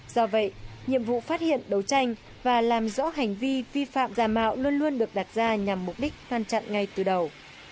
do vậy nhiệm vụ phát hiện đấu tranh và làm rõ hành vi vi phạm giả mạo luôn luôn được đặt ra nhằm mục đích ngăn chặn ngay từ đầu